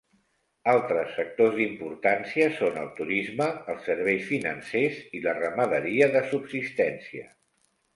Altres sectors d'importància són el turisme, els serveis financers i la ramaderia de subsistència.